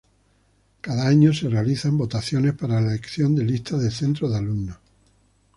Cada año se realizan votaciones para la elección de lista de centro de alumnos.